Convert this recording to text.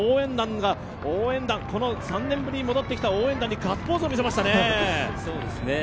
今、３年ぶりに戻ってきた応援団にガッツポーズを見せましたね。